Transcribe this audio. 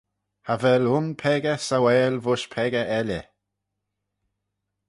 Cha vel un peccah sauail voish peccah elley.